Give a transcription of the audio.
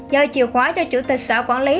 giao chìa khóa cho chủ tịch xã quản lý